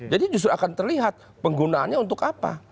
jadi justru akan terlihat penggunaannya untuk apa